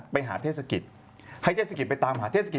ไปหาเทศกิตให้เทศกิตไปตามหาเทศกิต